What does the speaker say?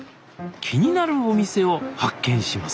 気になるお店を発見します